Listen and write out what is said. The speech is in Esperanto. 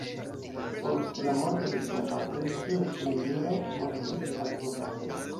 Post la morto de sia patro, li studas pri juro por iĝi advokato.